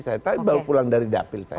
saya tadi baru pulang dari dapil saya